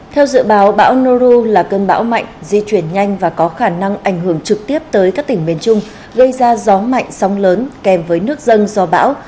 theo dự báo bão noru là cơn bão mạnh di chuyển nhanh và có khả năng ảnh hưởng trực tiếp tới các tỉnh miền trung gây ra gió mạnh sóng lớn kèm với nước dân do bão